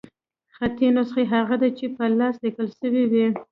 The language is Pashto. خطي نسخه هغه ده، چي په لاس ليکل سوې يي.